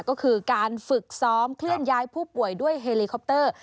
ก็คือการฝึกซ้อมเคลื่อนย้ายผู้ป่วยด้วยเฮลิคอปเตอร์